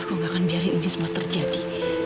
aku gak akan biarin ini semua terjadi